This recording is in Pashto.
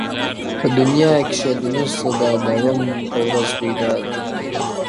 په دنیا کي ښادي نسته دا د غم په ورځ پیدا ده،